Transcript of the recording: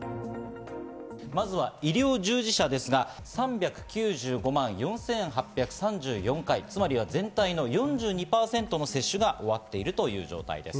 まずは医療従事者ですが、３９５万４８３４回、つまりは全体の４２％の接種が終わっているという状態です。